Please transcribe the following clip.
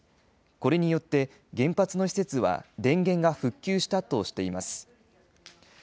これによって、原発の施設は電源が復旧したとしています。